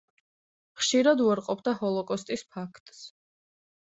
ხშირად უარყოფდა ჰოლოკოსტის ფაქტს.